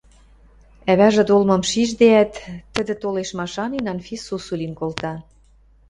Ӓвӓжӹ толмым шиждеӓт, тӹдӹ толеш машанен, Анфис сусу лин колта.